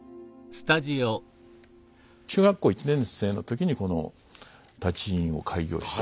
中学校１年生の時にこの舘医院を開業して。